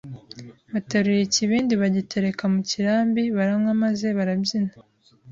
Baterura ikibindi bagitereka mu kirambi baranywa maze barabyina